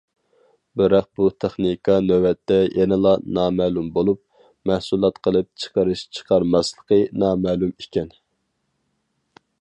بىراق بۇ تېخنىكا نۆۋەتتە يەنىلا نامەلۇم بولۇپ، مەھسۇلات قىلىپ چىقىرىش چىقىرالماسلىقى نامەلۇم ئىكەن.